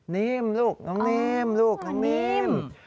นิ่มลูกน้องนิ่มลูกน้องนิ่ม